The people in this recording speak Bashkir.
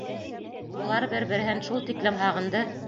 Улар бер-береһен шул тиклем һағынды.